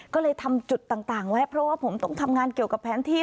ก็เลยทำจุดต่างไว้เพราะว่าผมต้องทำงานเกี่ยวกับแผนที่